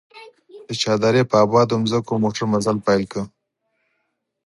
د چار درې په ابادو ځمکو موټر مزل پيل کړ.